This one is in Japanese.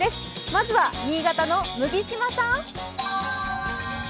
まずは新潟の麦島さん。